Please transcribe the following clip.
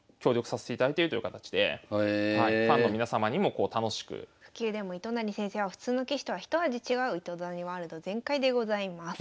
常務会とかとは別で普及でも糸谷先生は普通の棋士とはひと味違う糸谷ワールド全開でございます。